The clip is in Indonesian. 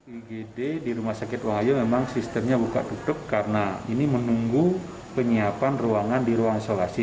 igd di rumah sakit wahyu memang sistemnya buka tutup karena ini menunggu penyiapan ruangan di ruang isolasi